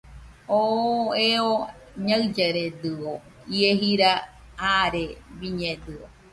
Oo eo ñaɨllaredɨio, ie jira aare biñedɨio